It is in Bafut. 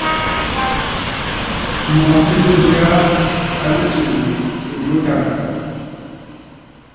M̀mɔ̀ɔ̀ŋtənnǔ jyaa à nɨ tsiʼǐ ɨnnǔ dàŋə̀ dàŋə̀.